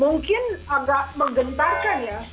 mungkin agak menggentarkan ya